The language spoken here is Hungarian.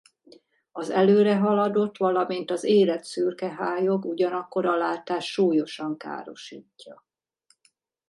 Az előrehaladott valamint az érett szürke hályog ugyanakkor a látást súlyosan károsítja.